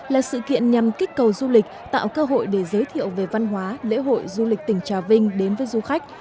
là sự kiện nhằm kích cầu du lịch tạo cơ hội để giới thiệu về văn hóa lễ hội du lịch tỉnh trà vinh đến với du khách